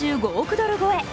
ドル超え。